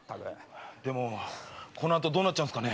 でもこの後どうなっちゃうんすかね。